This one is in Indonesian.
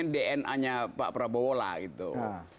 dna nya pak prabowo lah gitu